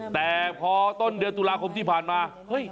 แต่พอต้นเดือนตุลาคมที่ผ่านมาเฮ้ย